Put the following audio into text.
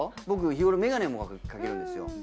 僕日頃眼鏡もかけるんですよ。